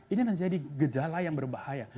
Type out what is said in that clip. ini menjadi gejala yang berbahaya